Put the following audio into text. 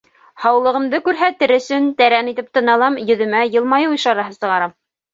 Һаулығымды күрһәтер өсөн, тәрән итеп тын алам, йөҙөмә йылмайыу ишараһы сығарам.